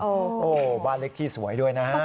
โอ้โหบ้านเล็กที่สวยด้วยนะฮะ